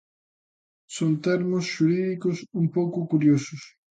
Son termos xurídicos un pouco curiosos.